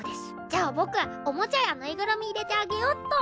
じゃあ僕おもちゃや縫いぐるみ入れてあげよっと。